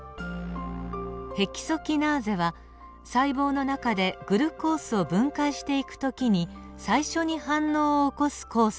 ヘキソキナーゼは細胞の中でグルコースを分解していく時に最初に反応を起こす酵素です。